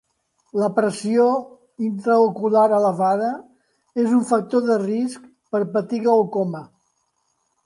La pressió intraocular elevada és un factor de risc per patir glaucoma.